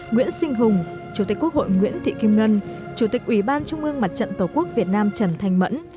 nguyễn sinh hùng chủ tịch quốc hội nguyễn thị kim ngân chủ tịch ủy ban trung ương mặt trận tổ quốc việt nam trần thanh mẫn